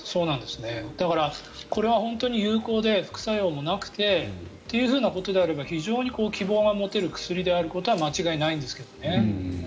だから、これは本当に有効で副作用もなくてというふうなことであれば非常に希望が持てる薬であることは間違いないんですけどね。